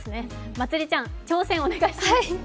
まつりちゃん、挑戦をお願いします